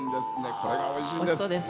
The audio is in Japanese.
これがおいしいんです。